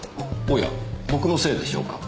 おや僕のせいでしょうか。